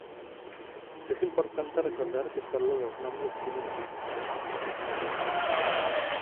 Es importante recordar que solo los nombres tienen tipos.